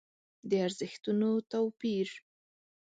د ارزښتونو توپير.